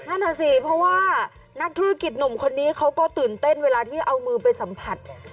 นั่นน่ะสิเพราะว่านักธุรกิจหนุ่มคนนี้เขาก็ตื่นเต้นเวลาที่เอามือไปสัมผัส